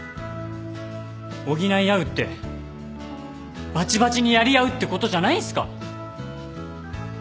補い合うってバチバチにやり合うってことじゃないんすか？